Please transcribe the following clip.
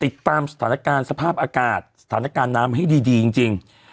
ติดตามสถานการณ์สภาพอากาศสถานการณ์น้ำให้ดีจริง